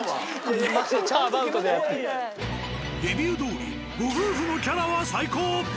レビューどおりご夫婦のキャラは最高！